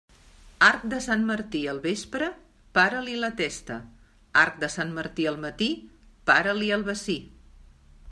Arc de Sant Martí al vespre, para-li la testa; arc de Sant Martí al matí, para-li el bací.